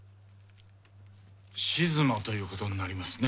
静馬ということになりますね。